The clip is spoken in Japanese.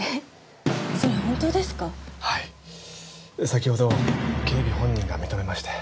先ほど警備本人が認めまして。